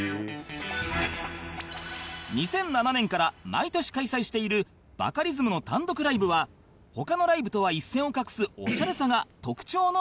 ２００７年から毎年開催しているバカリズムの単独ライブは他のライブとは一線を画すおしゃれさが特徴の一つ